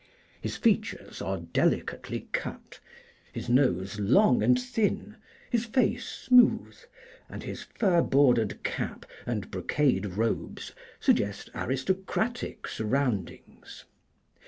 His features are delicately cut, his nose long and thin, his face smooth, and his fur bordered cap and brocade robes suggest aristocratic surroundings.